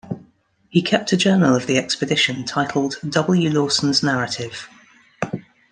He kept a journal of the expedition titled, 'W Lawsons Narrative.